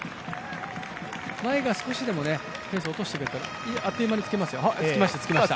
前が少しでもペース落としてくれたら、あっという間につけますよ。